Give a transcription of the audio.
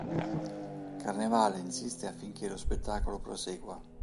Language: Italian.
Carnevale insiste affinché lo spettacolo prosegua.